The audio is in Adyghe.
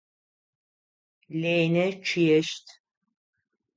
Ленэ чъыещт.